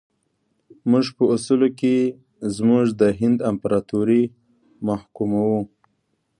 موږ په اصولو کې زموږ د هند امپراطوري محکوموو.